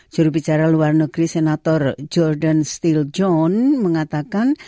jurubicara luar negeri senator jordan steel john mengatakan